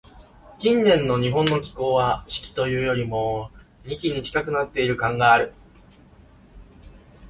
近年の日本の気候は、「四季」というよりも、「二季」に近くなっている感がある。